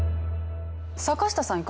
坂下さん